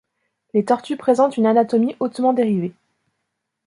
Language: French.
Les tortues présentent une anatomie hautement dérivée.